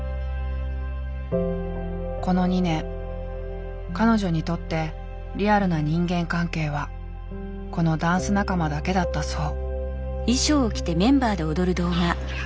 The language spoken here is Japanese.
この２年彼女にとってリアルな人間関係はこのダンス仲間だけだったそう。